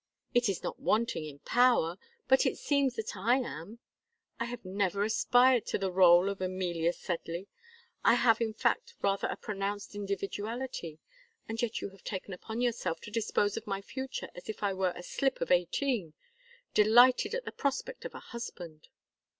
"It is not wanting in power! But it seems that I am. I have never aspired to the rôle of Amelia Sedley. I have, in fact, rather a pronounced individuality; and yet you have taken upon yourself to dispose of my future as if I were a slip of eighteen delighted at the prospect of a husband."